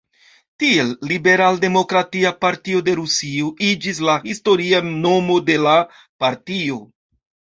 Tiel, "liberal-demokratia partio de Rusio" iĝis la historia nomo de la partio.